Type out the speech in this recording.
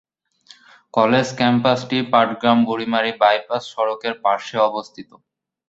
College ক্যাম্পাসটি পাটগ্রাম-বুড়িমাড়ি bypass সড়কের পার্শ্বে অবস্থিত।